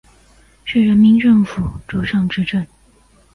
市人民政府驻尚志镇。